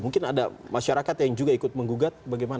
mungkin ada masyarakat yang juga ikut menggugat bagaimana